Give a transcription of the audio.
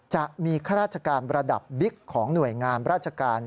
จะมีข้าราชการระดับบิ๊กของหน่วยงามราชการ